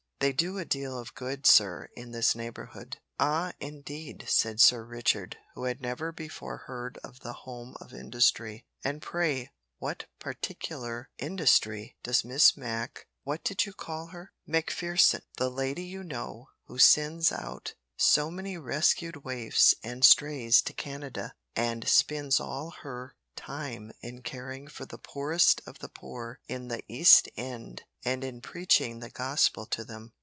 They do a deal of good, sir, in this neighbourhood." "Ah! indeed," said Sir Richard, who had never before heard of the Home of Industry. "And, pray, what particular industry does this Miss Mac what did you call her?" "Macpherson. The lady, you know, who sends out so many rescued waifs and strays to Canada, and spends all her time in caring for the poorest of the poor in the East End and in preaching the gospel to them.